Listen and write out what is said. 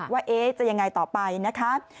ว่าจะยังไงต่อไปนะคะ